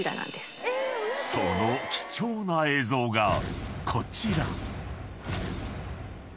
［その貴重な映像がこちら］